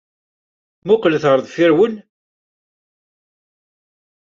Mmuqqlet ɣer deffir-wen!